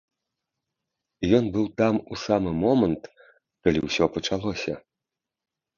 Ён быў там у самы момант, калі ўсё пачалося.